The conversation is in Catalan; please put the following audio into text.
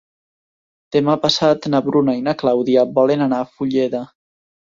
Demà passat na Bruna i na Clàudia volen anar a Fulleda.